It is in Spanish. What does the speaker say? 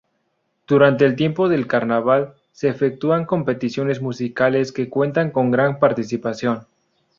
Durante el tiempo del carnaval, se efectúan competiciones musicales que cuentan con gran participación.